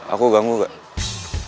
aku ganggu gak